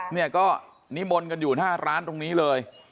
เนี่ยก็นิมนต์กันอยู่หน้าร้านตรงนี้เลย